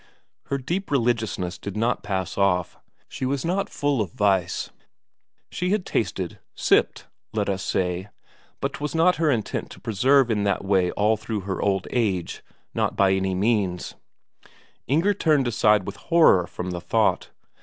Her deep religiousness did not pass off. She was not full of vice; she had tasted, sipped, let us say, but 'twas not her intent to persevere in that way all through her old age, not by any means; Inger turned aside with horror from the thought.